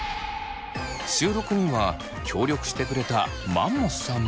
収録には協力してくれたマンモスさんも。